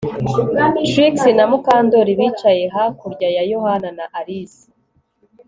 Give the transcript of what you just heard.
Trix na Mukandoli bicaye hakurya ya Yohana na Alice